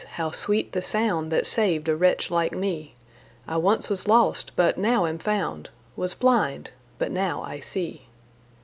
How sweet the sound That saved a wretch like me. I once was lost, but now am found, Was blind, but now I see.